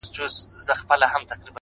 o د کلي دې ظالم ملا سيتار مات کړی دی ـ